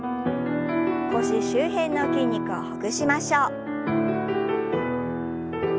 腰周辺の筋肉をほぐしましょう。